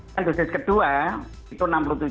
dan dosis kedua itu enam puluh tujuh